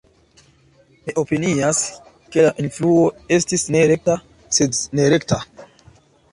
Mi opinias, ke la influo estis ne rekta, sed nerekta.